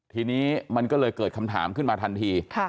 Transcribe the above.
ทีนี้มันก็เลยเกิดคำถามขึ้นมาทันที